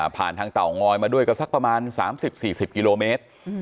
ผ่านทางเตางอยมาด้วยก็สักประมาณ๓๐๔๐กิโลเมตร